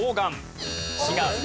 違う。